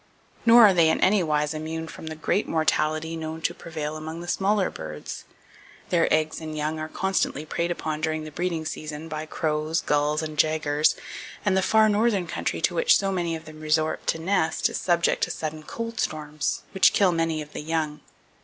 Nor are they in any wise immune from the great mortality known to prevail among the smaller birds. Their eggs and young are constantly preyed upon during the breeding season by crows, gulls, and jaegers, and the far northern country to which so many of them resort to nest is subject to sudden cold storms, which kill many of the young.